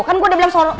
kan gua udah bilang solo